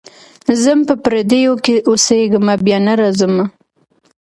ځم په پردیو کي اوسېږمه بیا نه راځمه.